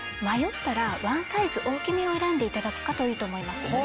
迷ったらワンサイズ大きめを選んでいただくといいと思います。